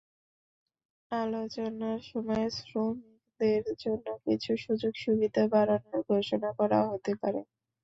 আলোচনার সময় শ্রমিকদের জন্য কিছু সুযোগ-সুবিধা বাড়ানোর ঘোষণা করা হতে পারে।